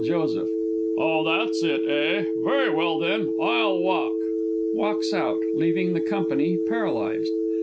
Oh, that's it, eh? Very well, then I'll walk! [Walks out, leaving the company paralysed. MRS.